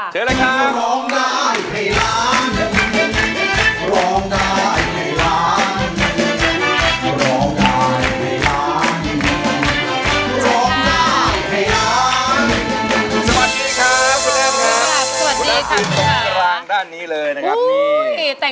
เชิญเลยค่ะ